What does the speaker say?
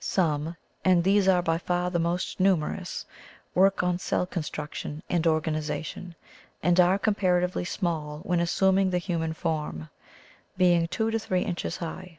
Some, and these are by far the most numerous, work on cell construction and organization, and are comparatively small when assuming the hu man form, being two to three inches high.